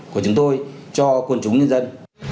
của chúng tôi cho quân chúng nhân dân